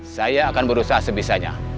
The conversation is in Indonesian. saya akan berusaha sebisanya